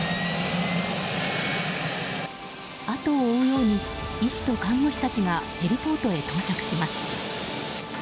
後を追うように医師と看護師たちがヘリポートへ到着します。